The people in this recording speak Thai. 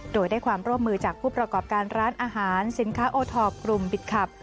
โดยได้ความร่วมมือจากผู้ประกอบการร้านอาหารสินค้าโอทอปกลุ่มบิดคลับ